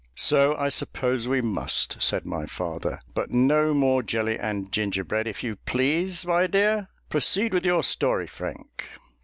"So I suppose we must," said my father; "but no more jelly and ginger bread, if you please, my dear. Proceed with your story, Frank."